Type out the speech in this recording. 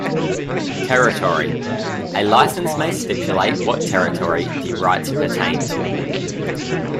Territory: a license may stipulate what territory the rights pertain to.